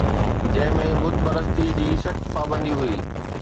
جنهن ۾ بت پرستي جي سخت پابندي هئي